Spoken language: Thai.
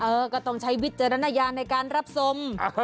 เออก็ต้องใช้วิจารณญาณในการรับชม